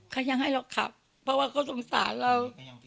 เขายังให้เราขับเพราะว่าเขาสงสารเรา